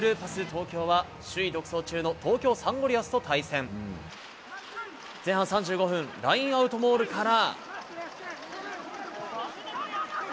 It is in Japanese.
東京は、首位独走中の東京サンゴリアスと対戦。前半３５分、ラインアウトモールから。